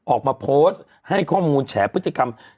ออกมาโพสต์ให้ข้อมูลแฉพฤติกรรม